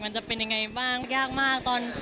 มันจะเป็นยังไงบ้างยากมากตอน